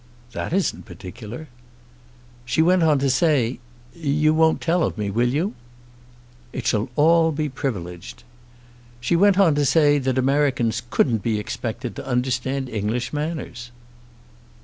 "That isn't particular." "She went on to say; you won't tell of me; will you?" "It shall all be privileged." "She went on to say that Americans couldn't be expected to understand English manners."